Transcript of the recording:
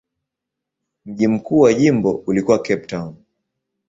Mji mkuu wa jimbo ulikuwa Cape Town.